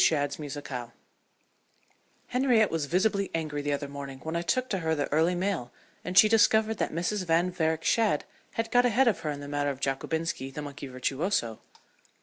SHADD'S MUSICALE Henriette was visibly angry the other morning when I took to her the early mail and she discovered that Mrs. Van Varick Shadd had got ahead of her in the matter of Jockobinski, the monkey virtuoso.